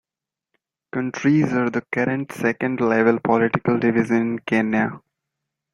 Counties are the current second level political division in Kenya.